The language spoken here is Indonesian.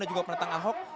dan juga penentang ahok